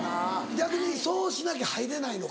逆にそうしなきゃ入れないのか。